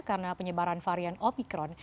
karena penyebaran varian omicron